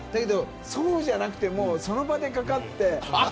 そうじゃなくてその場でかかって。